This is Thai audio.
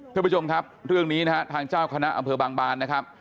ท่านผู้ชมครับเรื่องนี้นะฮะทางเจ้าคณะอำเภอบางบานนะครับ